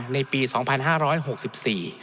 ในปีสองพันห้าร้อยหกสิบสี่